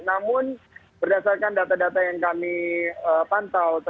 namun berdasarkan data data yang kami pantau